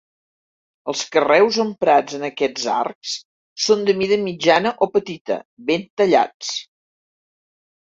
Els carreus emprats en aquests arcs són de mida mitjana o petita, ben tallats.